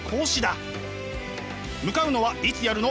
向かうのはいつやるの？